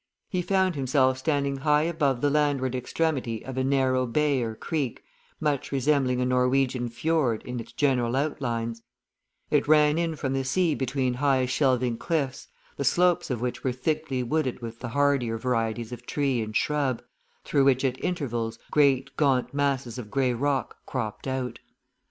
He found himself standing high above the landward extremity of a narrow bay or creek, much resembling a Norwegian fiord in its general outlines; it ran in from the sea between high shelving cliffs, the slopes of which were thickly wooded with the hardier varieties of tree and shrub, through which at intervals great, gaunt masses of grey rock cropped out.